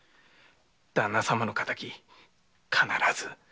旦那様の敵必ず！